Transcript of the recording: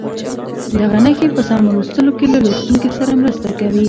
دغه نښې په سمو لوستلو کې له لوستونکي سره مرسته کوي.